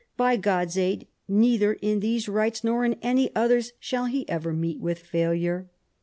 By God's aid, neither in these rights nor in any others shall he ever meet with failure.'